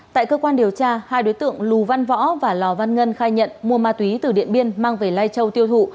tại cơ quan điều tra hai đối tượng lù văn võ và lò văn ngân khai nhận mua ma túy từ điện biên mang về lai châu tiêu thụ